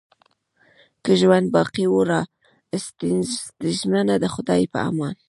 که ژوند باقي وو را ستنېږمه د خدای په امان